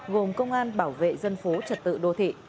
gồm công an bảo vệ dân phố trật tự đô thị